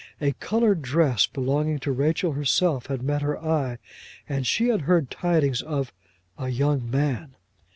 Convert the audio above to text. A coloured dress belonging to Rachel herself had met her eye, and she had heard tidings of a young man!